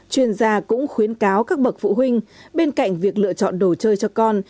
chuyên gia cũng khuyến cáo các bậc phụ huynh bên cạnh việc lựa chọn đồ chơi cho con